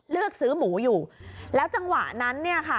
เลือกซื้อหมูอยู่แล้วจังหวะนั้น